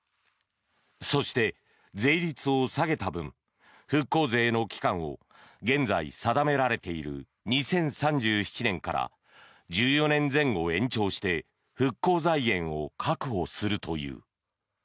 そして、税率を下げた分復興税の期間を現在、定められている２０３７年から１４年前後延長して復興財源を確保するという。